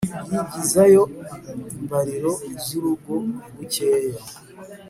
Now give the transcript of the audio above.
Yigizayo imbariro zurugo bukeya